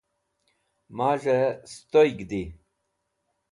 Maz̃hey Sutoyg Di